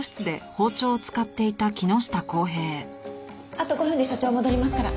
あと５分で社長戻りますから。